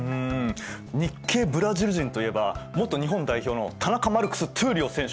日系ブラジル人といえば元日本代表の田中マルクス闘莉王選手！